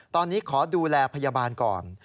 ตอนนี้ขอดูแลพยาบาลก่อน